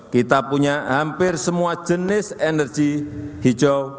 kita punya hampir semua jenis energi hijau